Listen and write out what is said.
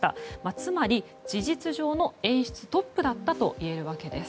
つまり事実上の演出トップだったといえるわけです。